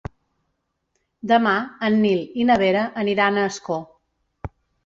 Demà en Nil i na Vera aniran a Ascó.